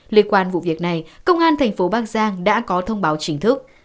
liên quan vụ việc này công an thành phố bắc giang đã có thông báo chính thức